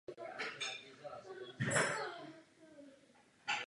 V prosinci téhož roku se tým stal zakládajícím klubem moravské hokejové župy.